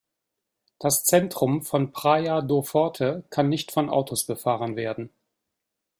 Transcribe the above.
Das Zentrum von Praia do Forte kann nicht von Autos befahren werden.